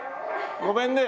ごめんね。